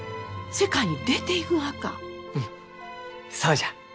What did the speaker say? うんそうじゃ！